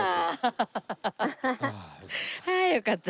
はあよかった。